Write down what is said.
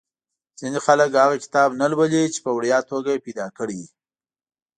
ځینې خلک هغه کتاب نه لولي چې په وړیا توګه یې پیدا کړی وي.